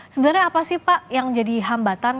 sebenarnya apa sih pak yang jadi hambatan